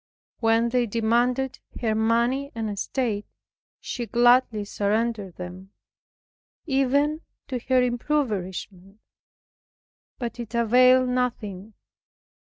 When they demanded her money and estate, she gladly surrendered them, even to her impoverishment, but it availed nothing.